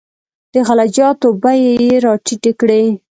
د غله جاتو بیې یې راټیټې کړې.